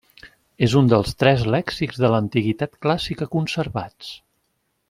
És un dels tres lèxics de l'antiguitat clàssica conservats.